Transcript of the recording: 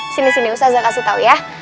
sini sini ustazah kasih tau ya